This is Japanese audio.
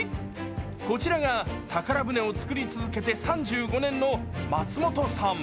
こちらが宝船をつくり続けて３５年の松本さん。